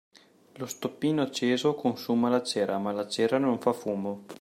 Lo stoppino acceso consuma la cera, ma la cera non fa fumo.